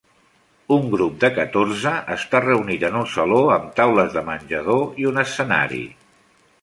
Un grup de catorze està reunit en un saló amb taules de menjador i un escenari.